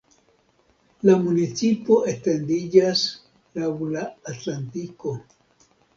La municipo etendiĝas laŭ la Atlantiko.